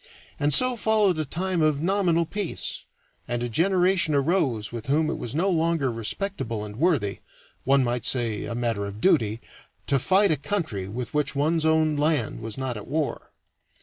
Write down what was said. And so followed a time of nominal peace, and a generation arose with whom it was no longer respectable and worthy one might say a matter of duty to fight a country with which one's own land was not at war.